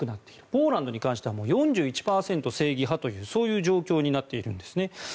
ポーランドに関しては４１％正義派という状況になっているんですね。